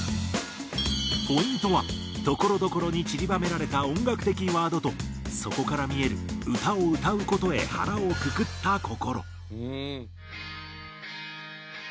ポイントはところどころにちりばめられた音楽的ワードとそこから見える歌を歌う事へ腹をくくった心。